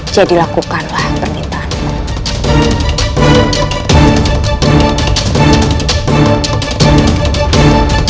jadi lakukanlah yang permintaan mu